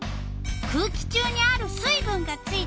「空気中にある水分がついた」。